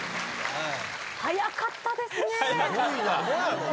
早かったですね。